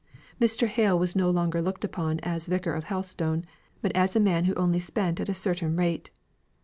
Mr. Hale was no longer looked upon as Vicar of Helstone, but as a man who only spent at a certain rate.